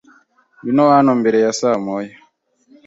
Ngwino hano mbere ya saa moya.